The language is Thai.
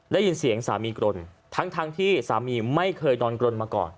ได้ยินเสียงสามีกรนทั้งที่สามีไม่เคยนอนกรนมาก่อน